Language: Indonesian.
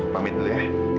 pamit dulu ya